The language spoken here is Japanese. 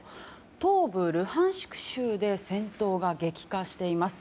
東部ルハンシク州で戦闘が激化しています。